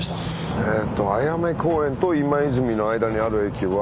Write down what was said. ええとあやめ公園と今泉の間にある駅は。